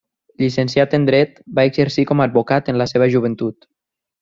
Llicenciat en Dret, va exercir com a advocat en la seva joventut.